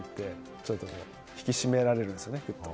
ちょっと引き締められるんですよね。